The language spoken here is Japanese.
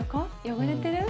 汚れてる？